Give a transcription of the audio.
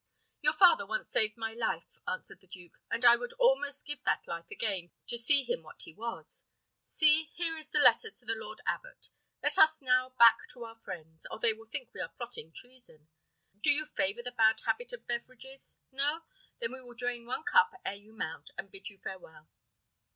"Your father once saved my life," answered the duke, "and I would almost give that life again to see him what he was. See, here is the letter to the lord abbot. Let us now back to our friends, or they will think we are plotting treason. Do you favour the bad habit of beverages? No? then we will drain one cup ere you mount, and bid you farewell."